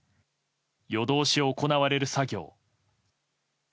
夜通し行われる作業。